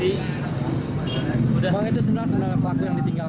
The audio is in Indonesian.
itu sendal pelaku yang ditinggalkan